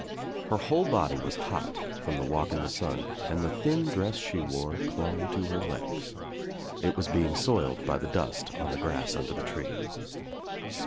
Her whole body was hot from the wallc in the sun and the thin dress she wore clung to her legs. It was being soiled by the dust on the grass under the tree.